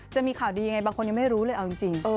จะมีข่าวดียังไงบางคนยังไม่รู้เลยเอาจริง